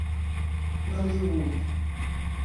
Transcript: Nollywood